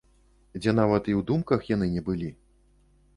Дзе нават і ў думках яны не былі.